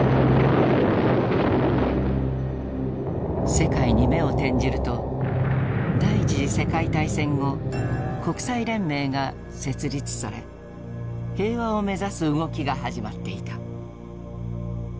世界に目を転じると第一次世界大戦後国際連盟が設立され平和を目指す動きが始まっていた。